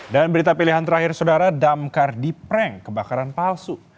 dan berita pilihan terakhir saudara damkar dipreng kebakaran palsu